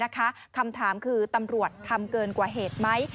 คำถามคือตำรวจทำเกินกว่าเหตุไหม